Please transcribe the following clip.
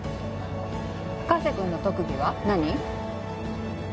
深瀬君の特技は何？